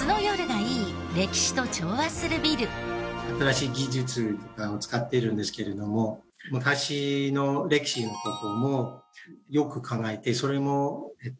新しい技術を使ってるんですけれども昔の歴史の事もよく考えてそれも入れてる。